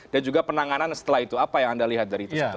dan juga penanganan setelah itu apa yang anda lihat dari itu